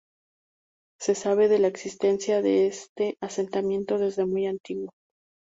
Se sabe de la existencia de este asentamiento desde muy antiguo.